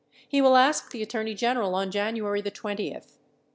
He will ask the Attorney General on J anuary the 20th.